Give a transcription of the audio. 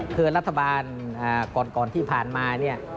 คือรัฐบาลก่อนที่ผ่านมา